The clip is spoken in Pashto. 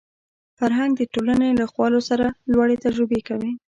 فرهنګ د ټولنې له خوالو سره لوړې تجربه کوي